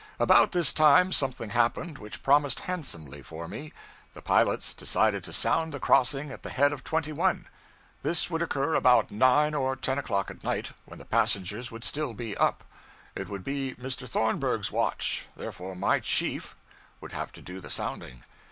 About this time something happened which promised handsomely for me: the pilots decided to sound the crossing at the head of 21. This would occur about nine or ten o'clock at night, when the passengers would be still up; it would be Mr. Thornburg's watch, therefore my chief would have to do the sounding.